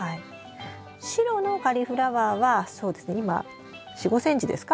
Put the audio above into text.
白のカリフラワーはそうですね今４５ｃｍですか？